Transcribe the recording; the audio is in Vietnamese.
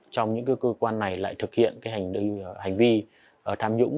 trong những cơ quan này lại thực hiện cái hành vi tham nhũng